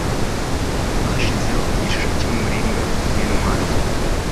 Bashizeho igishusho cy'umuringa w'intwari.